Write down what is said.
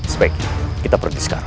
sebaiknya kita pergi sekarang